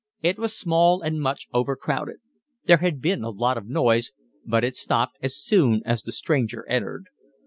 It was small and much overcrowded. There had been a lot of noise, but it stopped as soon as the stranger entered.